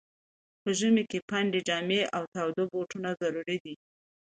په ژمي کي پنډي جامې او تاوده بوټونه ضرور دي.